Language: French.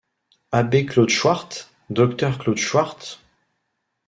Abbé Claude Choart! docteur Claude Choart !